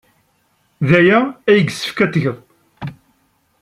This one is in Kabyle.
D aya ay yessefk ad t-tged.